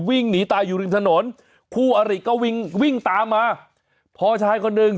วิ่งหนีตายอยู่ริมถนนคู่อริก็วิ่งวิ่งตามมาพอชายคนหนึ่ง